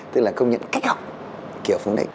tức là công nhận cách học kiểu phunix